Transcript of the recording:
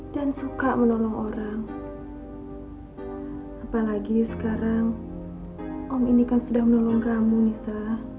dan suka menolong orang apalagi sekarang om ini kan sudah menolong kamu nisa